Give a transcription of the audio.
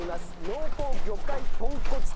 濃厚魚介豚骨釜飯。